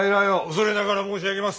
恐れながら申し上げます。